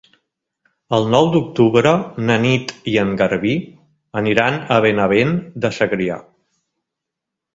El nou d'octubre na Nit i en Garbí aniran a Benavent de Segrià.